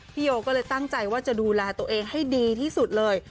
โยก็เลยตั้งใจว่าจะดูแลตัวเองให้ดีที่สุดเลย